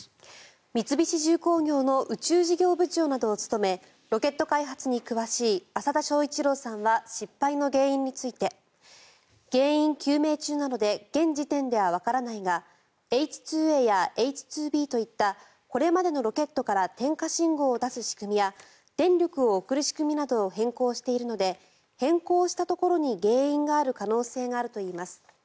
三菱重工業の宇宙事業部長などを務めロケット開発に詳しい淺田正一郎さんは失敗の原因について原因究明中なので現時点ではわからないがＨ２ＡやＨ２Ｂといったこれまでのロケットから点火信号を出す仕組みや電力を送る仕組みなどを変更しているので変更したところに原因がある可能性があるといいます。